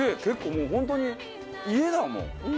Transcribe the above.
結構もう本当に家だもん。